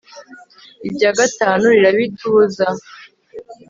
irya gatanu rirabitubuza